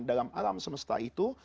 dalam alam semesta itu